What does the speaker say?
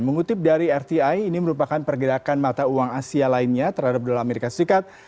mengutip dari rti ini merupakan pergerakan mata uang asia lainnya terhadap dolar amerika serikat